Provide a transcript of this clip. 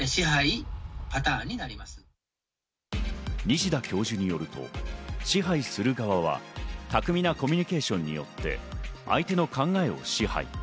西田教授によると、支配する側は、巧みなコミュニケーションによって相手の考えを支配。